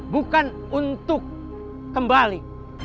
bukan untuk kembali